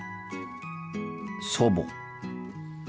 祖母。